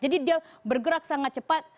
dia bergerak sangat cepat